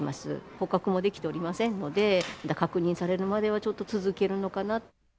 捕獲もできておりませんので、確認されるまではちょっと続けるのかなと。